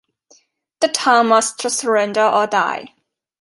The town must surrender or die.